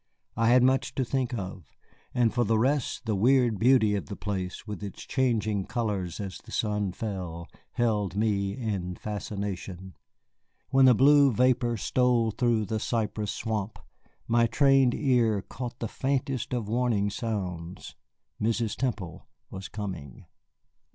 I had much to think of, and for the rest the weird beauty of the place, with its changing colors as the sun fell, held me in fascination. When the blue vapor stole through the cypress swamp, my trained ear caught the faintest of warning sounds. Mrs. Temple was coming.